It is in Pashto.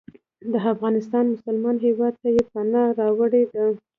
د افغانستان مسلمان هیواد ته یې پناه راوړې ده.